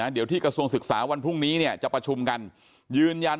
เดี๋ยวที่กระทรวงศึกษาวันพรุ่งนี้จะประชุมกัน